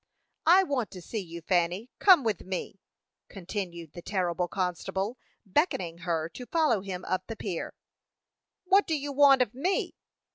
"I want to see you, Fanny; come with me," continued the terrible constable, beckoning her to follow him up the pier. "What do you want of me?"